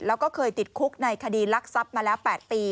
แล้วก็เคยติดคุกในคดีรักทรัพย์มาแล้ว๘ปี